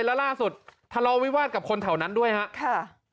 แล้วล่าสุดทะเลาวิวาสกับคนแถวนั้นด้วยครับ